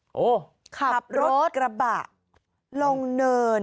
โอ้โหขับรถกระบะลงเนิน